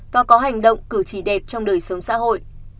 và có hành động cử chỉ đẹp trong đời sống xã hội